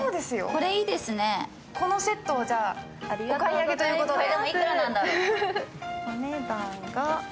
このセットをお買い上げということで。